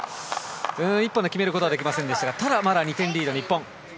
１本で決めることはできませんでしたがただ、まだ２点リード日本。